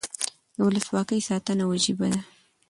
د ولسواکۍ ساتنه وجیبه ده